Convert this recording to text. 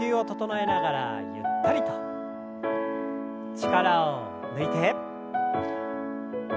力を抜いて。